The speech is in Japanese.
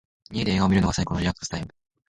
家で映画を観るのが最高のリラックスタイム。